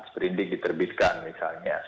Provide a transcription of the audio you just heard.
perindik diterbitkan misalnya